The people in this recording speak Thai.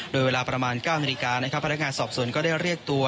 โดยเวลาประมาณ๙มิกั้นพรรภงาสอบสวนก็ได้เรียกตัว